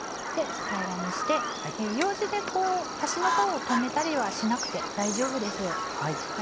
平らにしてようじで端のほうを留めたりはしなくて大丈夫です。